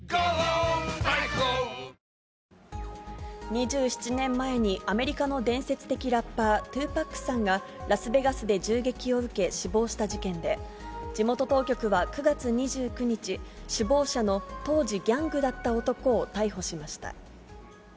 ２７年前に、アメリカの伝説的ラッパー、２パックさんがラスベガスで銃撃を受け、死亡した事件で、地元当局は９月２９日、首謀者の当時ギャングだった男を逮捕しました。